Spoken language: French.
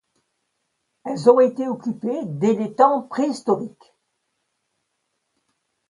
Elles ont été occupées dès les temps préhistoriques.